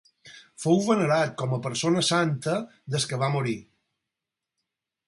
Fou venerat com a persona santa des que va morir.